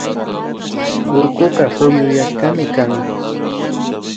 Urkuka puyuyashkami kan